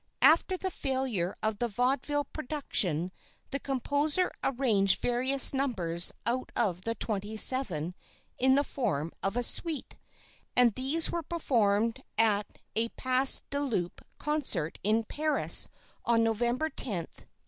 After the failure of the Vaudeville production, the composer arranged various numbers out of the twenty seven in the form of a suite, and these were performed at a Pasdeloup concert in Paris on November 10, 1872.